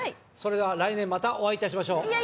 それでは来年またお会いいたしましょう。